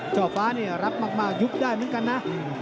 ฟ้าเนี่ยรับมากยุบได้เหมือนกันนะ